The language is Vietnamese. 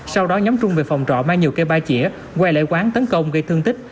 sau đó nhóm trung về phòng trọ mang nhiều cây ba chĩa quay lại quán tấn công gây thương tích